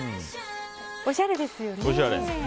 おしゃれですよね。